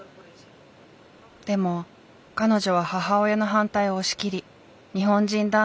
でも彼女は母親の反対を押し切り日本人男性と結婚。